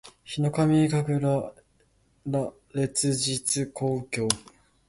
ヒノカミ神楽烈日紅鏡（ひのかみかぐられつじつこうきょう）